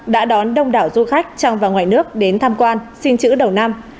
đã đón đông đảo du khách trong và ngoài nước đến tham quan xin chữ đầu năm